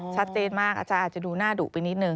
ชัดเจนมากอาจารย์อาจจะดูหน้าดุไปนิดนึ